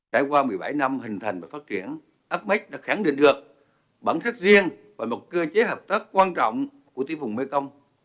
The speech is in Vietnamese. đã qua một mươi bảy năm hình thành và phát triển ames đã khẳng định được bản sắc riêng và một cơ chế hợp tác quan trọng của tiểu vùng mekong